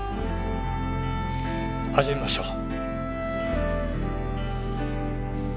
始めましょう。